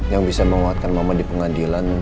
yang bisa menguatkan momen di pengadilan